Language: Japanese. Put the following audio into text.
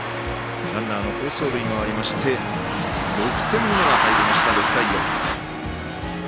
ランナーの好走塁もありまして６点目が入りました、６対４。